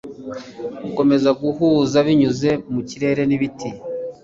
gukomeza guhuzabinyuze mu kirere nibiti